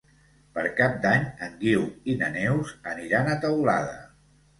Per Cap d'Any en Guiu i na Neus aniran a Teulada.